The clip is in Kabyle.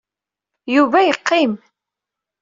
Yuba yeqqim.